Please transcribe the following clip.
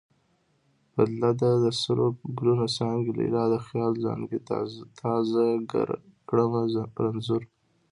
بدله ده: د سرو ګلونو څانګې لیلا د خیاله زانګې تا زه کړمه رنځور